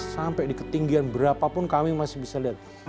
sampai di ketinggian berapa pun kami masih bisa lihat